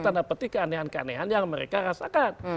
tanda petik keanehan keanehan yang mereka rasakan